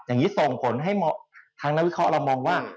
อย่างนี้ส่งผลให้ทางนักวิเคราะห์เรามองว่า